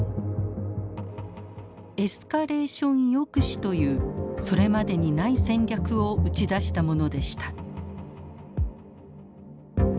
「エスカレーション抑止」というそれまでにない戦略を打ち出したものでした。